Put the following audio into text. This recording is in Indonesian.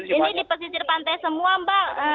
ini di pesisir pantai semua mbak